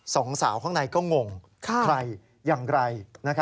สองสาวข้างในก็งงใครอย่างไร